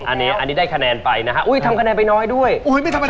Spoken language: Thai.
อันนี้อันนี้ได้คะแนนไปนะครับอุ้ยทำคะแนนไปน้อยด้วยอุ้ยไม่ทำคะแนน